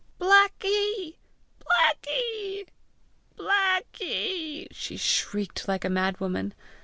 "Blackie! Blackie! Blackie!" she shrieked like a madwoman.